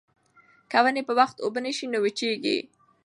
که ونې په وخت اوبه نه شي نو وچېږي.